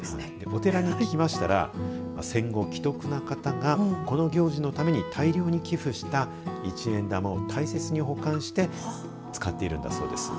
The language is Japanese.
お寺に聞きましたら戦後、奇特な方がこの行事のために大量に寄付した一円玉を大切に保管して使っているんだそうです。